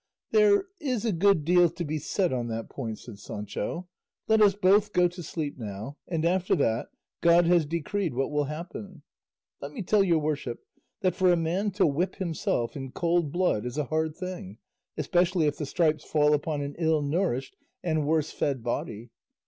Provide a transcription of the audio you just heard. "There is a good deal to be said on that point," said Sancho; "let us both go to sleep now, and after that, God has decreed what will happen. Let me tell your worship that for a man to whip himself in cold blood is a hard thing, especially if the stripes fall upon an ill nourished and worse fed body.